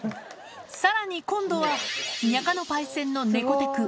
さらに今度はにゃかのパイセンの猫テク。